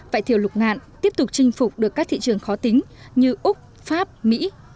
vải thiều lục ngạn tiếp tục chinh phục được các thị trường khó tính như úc pháp mỹ